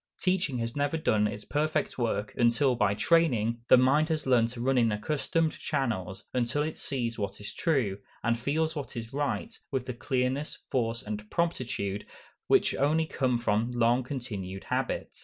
Teaching has never done its perfect work, until, by training, the mind has learned to run in accustomed channels, until it sees what is true, and feels what is right, with the clearness, force, and promptitude, which come only from long continued habit.